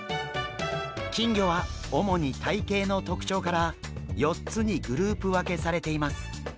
金魚は主に体形の特徴から４つにグループ分けされています。